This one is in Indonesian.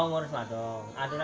nggak ada apa apa